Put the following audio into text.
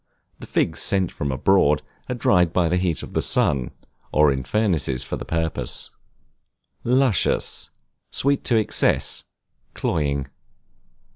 The figs sent from abroad are dried by the heat of the sun, or in furnaces for the purpose. Luscious, sweet to excess, cloying.